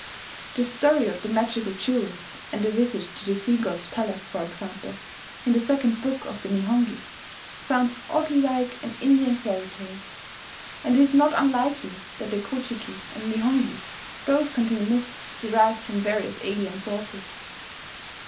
The story of the magical jewels and the visit to the sea god's palace, for example, in the second book of the Nihongi, sounds oddly like an Indian fairy tale; and it is not unlikely that the Ko ji ki and Nihongi both contain myths derived from various alien sources.